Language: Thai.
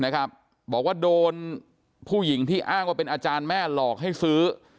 บอกว่าโดนผู้หญิงที่อ้างว่าเป็นอาจารย์แม่หลอกให้ซื้อ